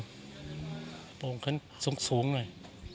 กระโปรมขนสูงหน่อย